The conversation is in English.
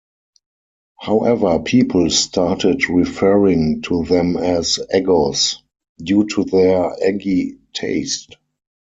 However people started referring to them as "eggos" due to their eggy taste.